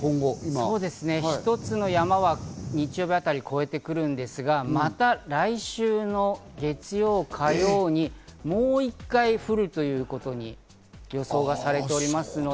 一つの山は日曜日あたりに越えてくるんですが、また来週の月曜、火曜にもう１回降るという予想がされています。